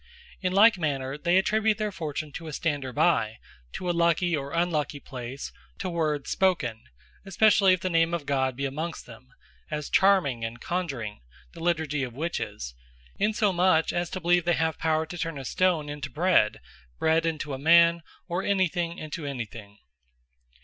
In like manner they attribute their fortune to a stander by, to a lucky or unlucky place, to words spoken, especially if the name of God be amongst them; as Charming, and Conjuring (the Leiturgy of Witches;) insomuch as to believe, they have power to turn a stone into bread, bread into a man, or any thing, into any thing.